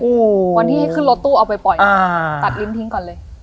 วันที่ให้ขึ้นรถตู้เอาไปปล่อยอ่าตัดลิ้นทิ้งก่อนเลย